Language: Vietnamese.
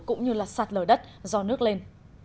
cũng như sạt lở đất do nước lên